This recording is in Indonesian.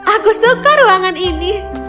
aku suka ruangan ini